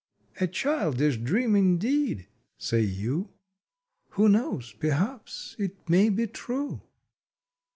"A childish dream indeed?" say you. Who knows? Perhaps it may be true!